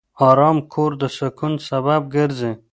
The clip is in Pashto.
آرام کور د سکون سبب ګرځي.